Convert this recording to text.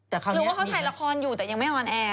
หรือว่าเขาถ่ายละครอยู่แต่ยังไม่ออนแอร์